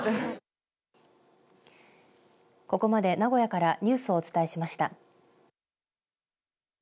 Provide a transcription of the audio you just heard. ここまで名古屋からニュースをお伝えしました。